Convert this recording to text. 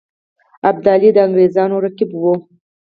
ابدالي د انګرېزانو رقیب وو.